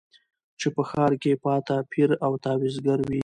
چي په ښار کي پاته پیر او تعویذګروي